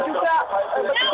dari berbagai baik itu